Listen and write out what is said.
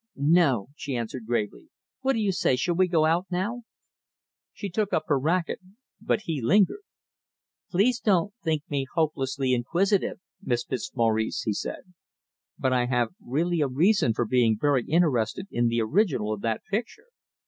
"No!" she answered, gravely. "What do you say shall we go out now?" She took up her racket, but he lingered. "Please don't think me hopelessly inquisitive, Miss Fitzmaurice," he said, "but I have really a reason for being very interested in the original of that picture.